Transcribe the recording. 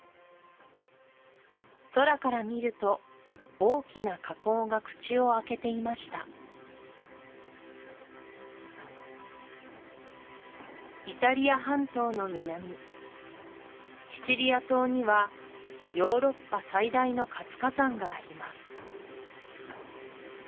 空から見ると大きな火口が口を開けていましたイタリア半島の南シチリア島にはヨーロッパ最大の活火山があります